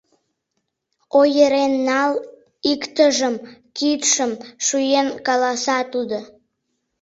— Ойырен нал иктыжым! — кидшым шуен каласа тудо.